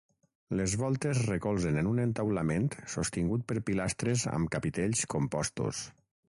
Les voltes recolzen en un entaulament sostingut per pilastres amb capitells compostos.